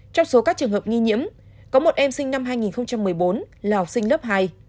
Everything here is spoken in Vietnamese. trong số các trường hợp nghi nhiễm có một em sinh năm hai nghìn một mươi bốn là học sinh lớp hai